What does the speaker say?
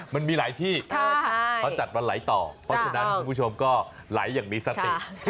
มันมีหลายที่เขาจัดวันไหลต่อเพราะฉะนั้นคุณผู้ชมก็ไหลอย่างมีสติ